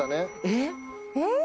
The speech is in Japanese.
えっ？